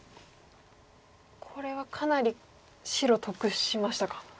これはかなり白得しましたか。